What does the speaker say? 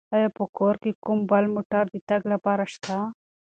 آیا په کور کې کوم بل موټر د تګ لپاره شته؟